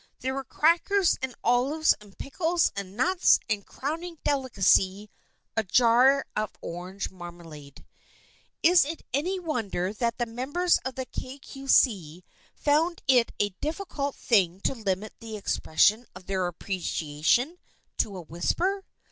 There were crackers and olives and pickles and nuts, and, crowning delicacy, a jar of orange marmalade. Is it any wonder that the members of the Kay Cue See found it a difficult thing to limit the expression of their appreciation to a whisper?